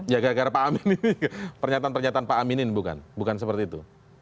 ya karena pak aminin pernyataan pernyataan pak aminin bukan bukan seperti itu